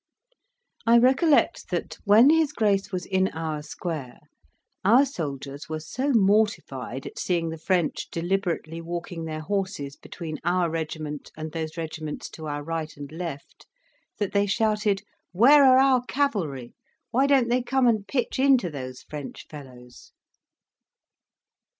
I recollect that, when his grace was in our square, our soldiers were so mortified at seeing the French deliberately walking their horses between our regiment and those regiments to our right and left, that they shouted, "Where are our cavalry? why don't they come and pitch into those French fellows?"